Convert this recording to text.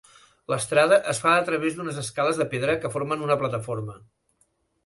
L'estrada es fa a través d'unes escales de pedra que formen una plataforma.